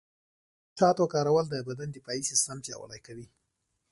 د شاتو کارول د بدن دفاعي سیستم پیاوړی کوي.